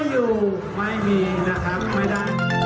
สวัสดีค่ะ